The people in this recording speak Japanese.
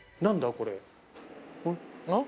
これ。